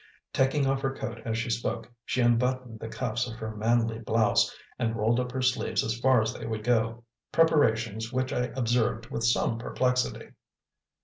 Taking off her coat as she spoke, she unbuttoned the cuffs of her manly blouse and rolled up her sleeves as far as they would go, preparations which I observed with some perplexity.